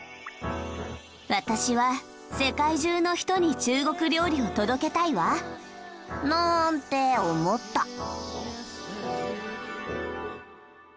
「私は世界中の人に中国料理を届けたいわ！」なんて思った。